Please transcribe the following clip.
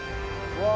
うわ